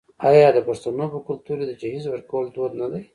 آیا د پښتنو په کلتور کې د جهیز ورکول دود نه دی؟